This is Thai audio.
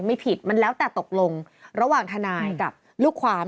ไม่ผิดมันแล้วแต่ตกลงระหว่างทนายกับลูกความ